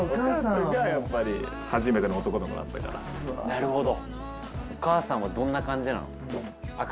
なるほど。